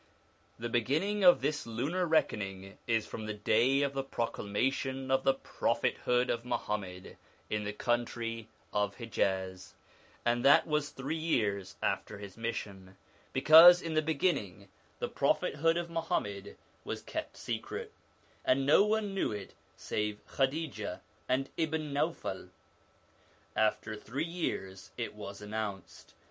The beginning of this lunar reckoning is from the day of the proclamation of the prophethood of Muhammad in the country of Hijaz; and that was three years after his mission ; because in the beginning the prophethood of Muhammad was kept secret, and no one knew it save Khadija and Ibn Naufal. 1 After three years it was announced.